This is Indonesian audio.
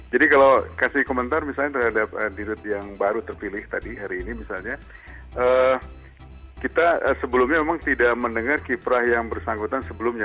jadi kalau kasih komentar misalnya terhadap dirut yang baru terpilih tadi hari ini misalnya kita sebelumnya memang tidak mendengar kiprah yang bersangkutan sebelumnya